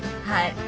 はい。